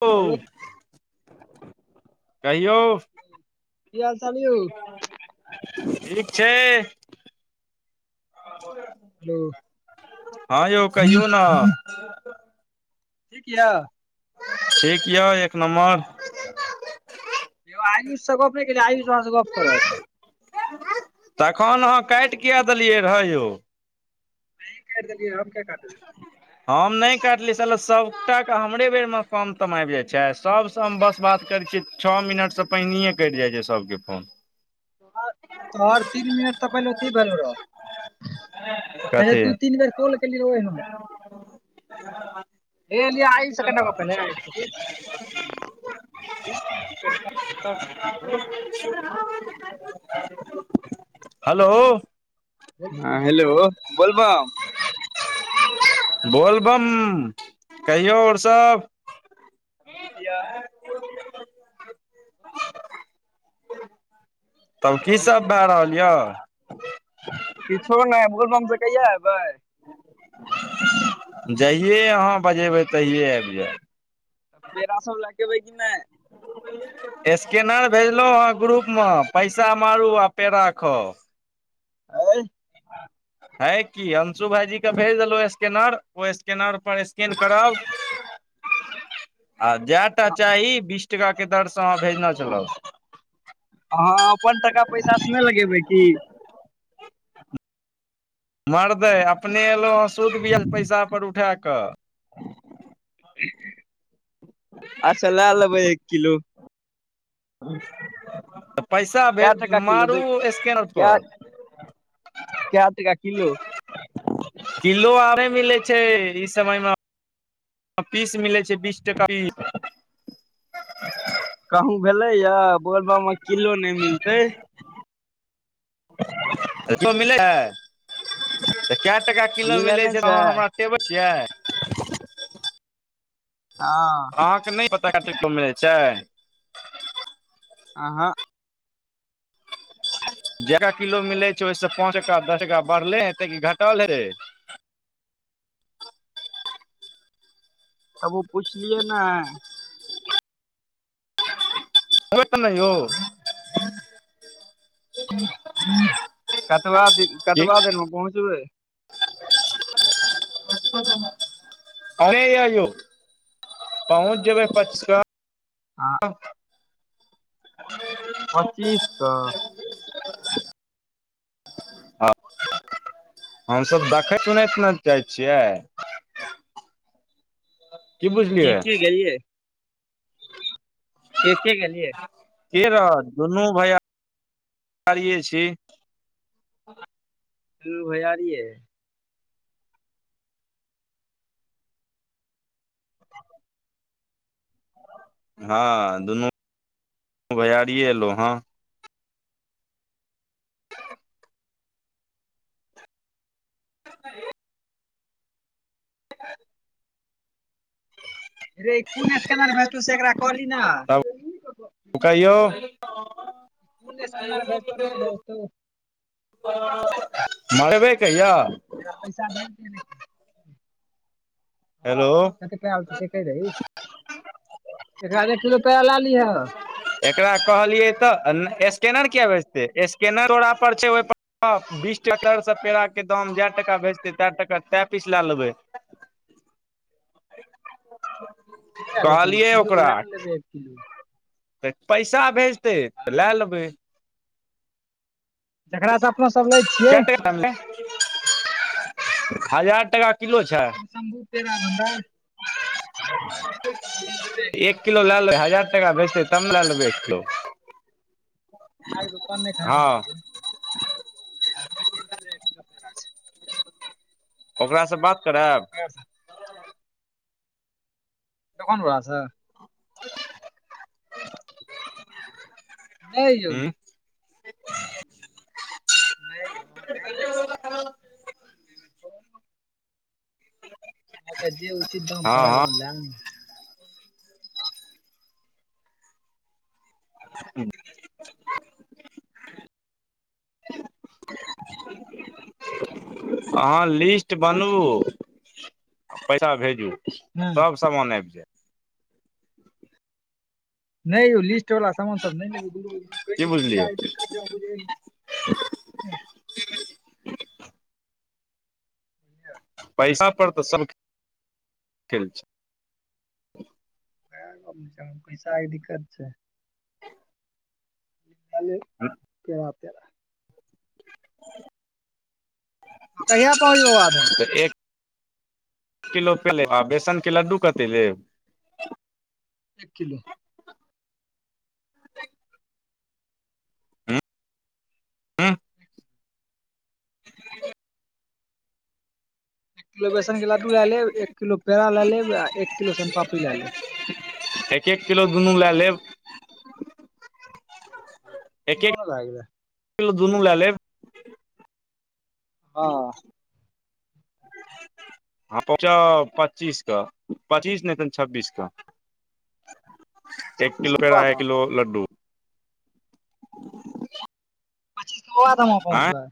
यौ हेलो कहियौ। की हाल -चाल यौ ठीक छैय। हेलो हँ यौ कहियौ न। ठीक या? ठीक यऽ एक नम्बर। यौ आयुषस सँ गप नै केलियै आयुष अहाँँ से गप करत। तखन अहाँ काइट कियए देलियै रहए यौ? अहि केैट देलियै हम किये काटबै। हम नै काटली साला सबटा के हमरे बेर में काम तम आइब जाय छै सब। सब सँ हम बात करै छियै छ मिनट सँ पहिनेैहे कैट जाय छै सबके फोन। तोहर तीन मिनट तऽ पहिलेथी भेल रहौ। पहिले कथी तू तीन बेर कॉल केलि रहि होय हम। ए लियै आयुष से कना गप भेलै आयुष से के [unintelligible] ई की [unintelligible] [unintelligible] हलो हँ हेलो बोलबम बोलबम कहियौ और सब? ठीक या। तब की सब भअ रहल यऽ? किछो नै बोलबम से कहिया एयबै? जहिए आहाँ बजेबै तहिए आइब जेएब। पेरा सब लए के अबैय कि नै? [unintelligible] स्कैनर भेजलौ हेँ ग्रुप मे पैसा मारू आ पेरा खाऊ। अय हैय की अंशु भाईजी के भेज देलौ स्कैनर ओ स्कैनर पर स्कैन करब। [inaudible] आ जएटा चाही बीस टका के दरसँ आहाँ भेजने चलब। आहाँ अपन टका पैसा से नै लगेबै की? मरदै अपने एलौ है सूध बीआ पैसा पर उठा कऽ। अच्छा लए लेबै एक किलो। तऽ पैसा भे कै टका किलो मारू दै स्कैनर कै पर। [unintelligible] कए टका किलो? किलो आरे मिलै छै ई समय मे। पीस मिलै छै बीस टका पीस। कहूँ भेलेै या बोलबम मे किलो नै मिलते। तो मिले ए तै कएट किलो मिलै मिले नहि छै अहाँ हमरा [unintelligible] छियै। हाँ। अहाँके नै पता [unintelligible] मिलै छै। आहाँ जेकरा किलो मिलै छै ओय से पाँंच टका दस टका बढ़ले हेते की घटल हेते। आब उ पुछलियए नै? होएत नै यौ। कतबा दिन, की कतबा देर मे पहुँचबै। एने यै यौ पहुँच जेबै पच स हां। पच्चीस सौ [unintelligible] [inaudible] हां हम सब देखैत सुनैत नै जाए छियै। [unintelligible] के-के गेलिए? के-के गेलियै? के रहत दुनू भैया रीये छी। दूनू भैयारिये? हाॅं दुनू भैयारिये अयलो हें। रे ई कुन स्कैनर भेजतो से एकरा कहली नै? तब कहियौ? कोन स्कैनर भेजतौ नहि [unintelligible] भेजतौ मरबे कहिया। एकरा पैसा भेज दीहे रे। हेलो। कै लेतो से कैह दही, एकरा लै एक किलो पैरा लाए लीहा। एकरा कहलियै तऽ नै स्कैनर किया बेेजतै स्केैनर तोरा पर छै ओय पर हां बीस टाका दर से पेड़ाके दाम जै टाका भेजतै तए टाका तै पीस लए लेबै। लै लेथिए कहलियै किलो लैन लेबै एक किलो। तै पैसा भेजतै तऽ हँ लए लेबै। जकरा से अपना सब लै छियै कै टका [unintelligible] हजार टका किलो छै? शंभु पेरा भण्डार। सौ टके एक छै किलो लए लेबै हजार टका भैजते तब नै लए लेबै एक किलो। आय दुकान नै खाए हँ जैनाए छै। [inaudible] ओकरा से बात कराएब। ककरा से? दोकान बला से? नय यौ। हँ नै यौ अहां लै नै लैब अहां। तैय जे उचित दाम पड़े हँ ल लेए नैय। ह [unintelligible] [inaudible] अहाँ लिस्ट बनबू, पैसा भेजू। सब समान आबि जाइत। नय यौ लिस्ट वला समान सब नहि लेबै। की बुझलियै। जे अहाॅं बुझै रहियै। पैसा पर तऽ सब खेल छैय। वएह गप नैय छैय, अहाॅं के पैसा आइ दिक्कत छैय। लेएलेब पेड़ा-तेड़ा। कहिया पहुँचबै बाबा धाम तऽ एक एक किलो पेड़ा लेब, बेसनके लड्डू कते लेब। एक किलो। ह एक किलो बेसन के लड्डू लए लेब, एक किलो पेड़ा लए लेब आ एक किलो सोम पापड़ी लए लेब। एक-एक किलो दुनू लए लेब। एक तीनो नैय भए गेलै। एक किलो दुनू लए लेब। हां। हम पहुचब पच्चीस क पच्चीस नैय त छब्बीस के। [inaudible] एक छब्बीस किलो के पेड़ा, एक बाबाधाम किलो लड्डू। पचीस के अहाॅं बबाधाम आँय पहुँचबै।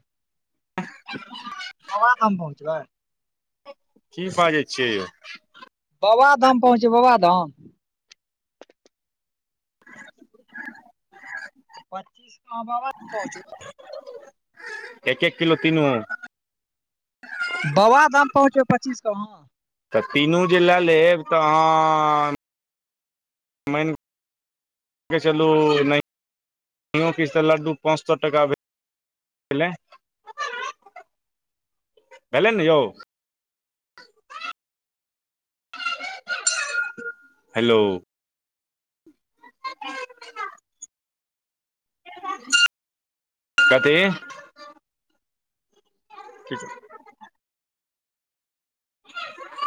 [inaudible] बबा धाम पहुँचबै। की बाजै छियै यै। बबाधाम पहुँचे बबाधाम। पच्चीस मे अहाॅं बाबाधाम पहुंच। एक-एक किलो तिनु। बबाधाम पहुँचबै पच्चीस कऽ अहाँ। तऽ तीनू जे लए लेब तऽ तहान। मैन मेनके चलु नहियो किछ तऽ लड्डू पाँच सो टका भेल। लैय भेलल नहि यौ। अ [inaudible] हलो। आ [inaudible] कथी। किछ [inaudible]